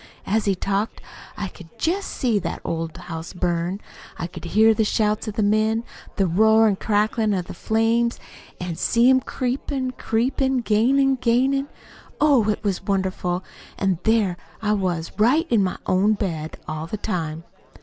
As he talked, I could just see that old house burn. I could hear the shouts of the men, the roar an' cracklin' of the flames, an' see 'em creepin', creepin', gainin', gainin' ! Oh, it was wonderful an' there I was right in my own bed, all the time.